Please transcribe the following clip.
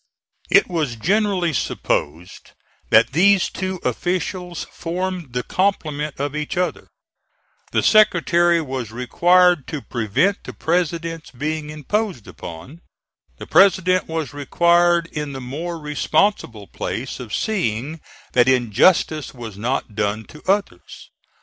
It was generally supposed that these two officials formed the complement of each other. The Secretary was required to prevent the President's being imposed upon. The President was required in the more responsible place of seeing that injustice was not done to others.